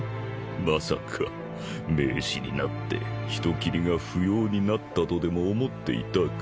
まさか明治になって人斬りが不要になったとでも思っていたか？